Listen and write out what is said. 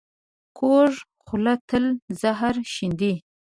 کوږه خوله تل زهر شیندي